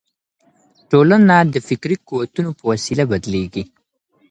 ټولنه د فکري قوتونو په وسیله بدلیږي.